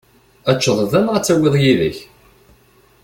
Ad teččeḍ da neɣ ad tawiḍ yid-k?